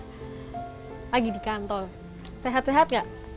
tusha mustnah berusaha untuk membantu youtube channel ini